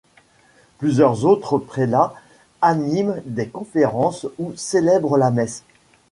Plusieurs autres prélats animent des conférences ou célèbrent la messe.